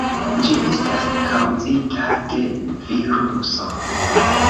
Ĝi estas kaŭzita de viruso.